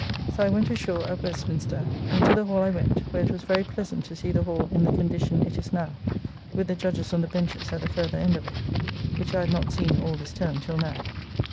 So, I went ashore, at Westminster; and to the Hall I went, where it was very pleasant to see the Hall in the condition it is now with the judges on the benches at the further end of it, which I had not seen all this term till now.